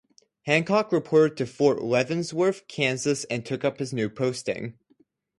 Hancock reported to Fort Leavenworth, Kansas, and took up his new posting.